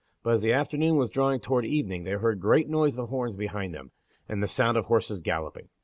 But as the afternoon was drawing toward evening they heard great noise of horns behind them, and the sound of horses galloping.